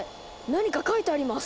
何か書いてあります！